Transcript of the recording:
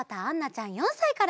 ちゃん４さいから。